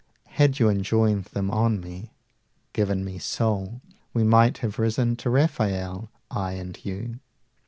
Had you enjoined them on me, given me soul, We might have risen to Rafael, I and you!